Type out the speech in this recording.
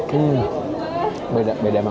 hmm beda beda